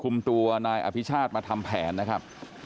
ตัวนายอภิชาติมาทำแผนนะครับ